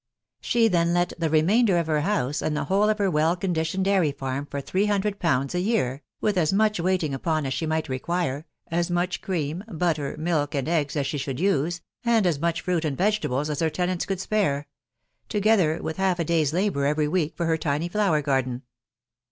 She then let the remain der of her house, and the whole of her well conditioned dairy farm, for three hundred pounds a year, with as much waiting upon as she might require, as much cream, butter, milk, and eggs as she should use, and as much fruit and vegetables as her tenants could spare — together with half a day's labour every week for her tiny flower garden.